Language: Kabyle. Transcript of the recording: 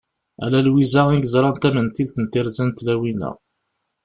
Ala Lwiza i yeẓran tamentilt n tirza n tlawin-a.